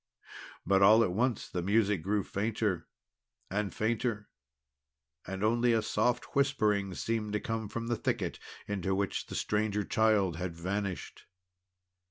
But all at once the music grew fainter and fainter, and only a soft whispering seemed to come from the thicket into which the Stranger Child had vanished.